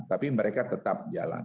tapi mereka tetap jalan